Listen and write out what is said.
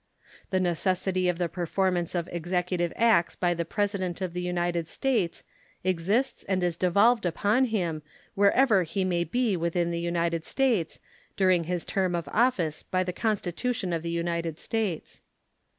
The necessity of the performance of executive acts by the President of the United States exists and is devolved upon him, wherever he may be within the United States, during his term of office by the Constitution of the United States.